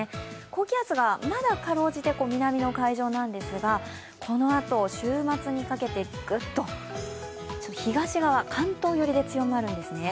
高気圧がまだかろうじて南の海上なんですがこのあと、週末にかけてぐっと、東側関東寄りで強まるんですね。